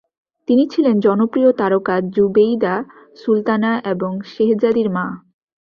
তিনি ছিলেন জনপ্রিয় তারকা জুবেইদা, সুলতানা এবং শেহজাদির মা ।